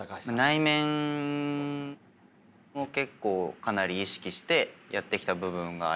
内面を結構かなり意識してやってきた部分がありますね。